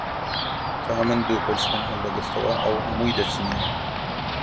تا من دوو قونچکم هەڵدەگرتەوە، ئەو هەمووی دەچنینەوە